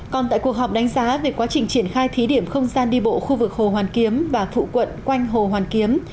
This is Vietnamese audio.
còn tại cuộc họp đánh giá về quá trình triển khai thí điểm không gian đi bộ khu vực hồ hoàn kiếm và phụ quận quanh hồ hoàn kiếm